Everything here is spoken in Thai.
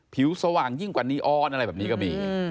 สว่างยิ่งกว่านีออนอะไรแบบนี้ก็มี